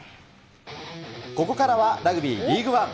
ここからはラグビーリーグワン。